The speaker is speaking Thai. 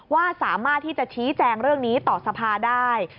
ว่าสามารถที่จะชี้แจงเรื่องนี้ต่อสภาได้